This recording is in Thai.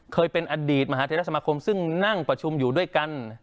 เคยเป็นอดีตมหาเทราสมาคมซึ่งนั่งประชุมอยู่ด้วยกัน